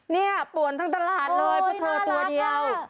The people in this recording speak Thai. ป่วนทั้งตลาดเลยเพราะเธอตัวเดียว